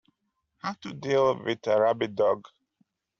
How to deal with a rabid dog.